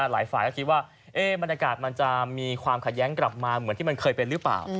หลายฝ่ายก็คิดว่าบรรยากาศมันจะมีความขัดแย้งกลับมาเหมือนที่มันเคยเป็นหรือเปล่า